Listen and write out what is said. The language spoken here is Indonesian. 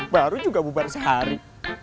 baru juga bubar sehari